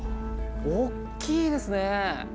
おっきいですね。